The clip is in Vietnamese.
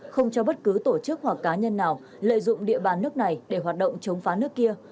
không cho bất cứ tổ chức hoặc cá nhân nào lợi dụng địa bàn nước này để hoạt động chống phá nước kia